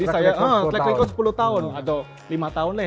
track record sepuluh tahun atau lima tahun ya